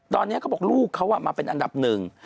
ตอนนี้เขาบอกลูกเขามาเป็นอันดับหนึ่ง